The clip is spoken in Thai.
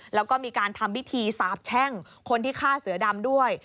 แล้วก็มีการทำพิธีสาบแช่งคนที่ฆ่าเสือดำด้วย